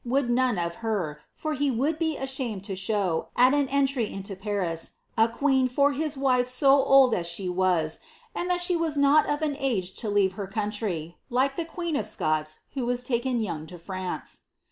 would none of her, for he would ke ashamed to show, at an entry into Paris, a queen for his wife so old ■ she was, and that she was not of an age to leave her country, like k queen of Scots, who was taken young to France."